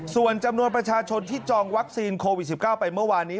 ส่วนจำนวนประชาชนที่จองวัคซีนโควิด๑๙ไปเมื่อวานนี้